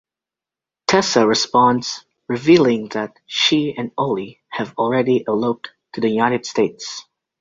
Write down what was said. Tessa responds, revealing that she and Ollie have already eloped to the United States.